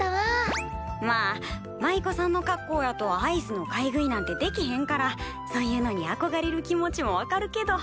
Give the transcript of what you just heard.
まあ舞妓さんの格好やとアイスの買い食いなんてできへんからそういうのにあこがれる気持ちも分かるけど。